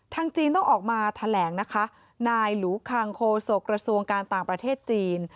จีนต้องออกมาแถลงนะคะนายหลูคังโคศกระทรวงการต่างประเทศจีน